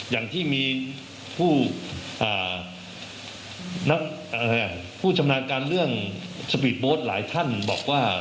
อย่างที่มีผู้ชำนาญการเรื่องสปีดโบสต์หลายท่านบอกว่า